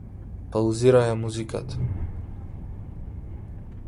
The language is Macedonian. Паузирај ја музиката!